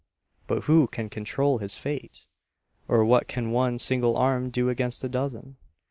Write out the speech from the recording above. But "who can control his fate?" or what can one single arm do against a dozen?